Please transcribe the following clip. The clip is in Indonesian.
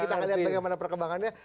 kita akan lihat bagaimana perkembangannya